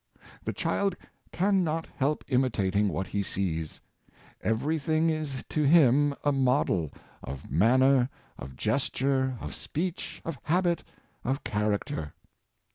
The child can not help imitating what he sees. Ev ery thing is to him a model — of manner, of gesture, of speech, of habit, of character.